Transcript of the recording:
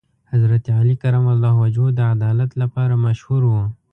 حضرت علی کرم الله وجهه د عدالت لپاره مشهور و.